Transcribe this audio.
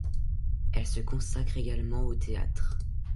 Elle se consacre également au théâtre.